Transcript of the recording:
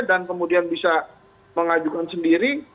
dan kemudian bisa mengajukan sendiri